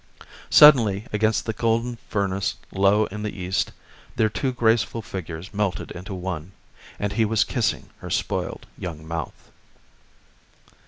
Suddenly against the golden furnace low in the east their two graceful figures melted into one, and he was kissing her spoiled young mouth.